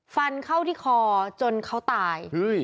ฟันเข้าที่คอจนเขาตาย